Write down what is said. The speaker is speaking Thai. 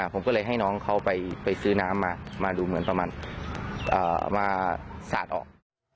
ผมก็เลยให้น้องเขาไปซื้อน้ำมามาดูเหมือนประมาณมาสาดออก